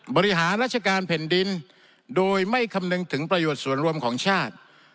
บริหารราชการแผ่นดินโดยไม่คำนึงถึงประโยชน์ส่วนรวมของชาติ